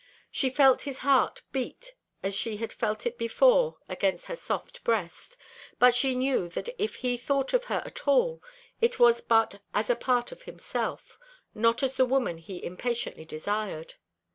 She felt his heart beat as she had felt it before against her soft breast, but she knew that if he thought of her at all it was but as a part of himself, not as the woman he impatiently desired.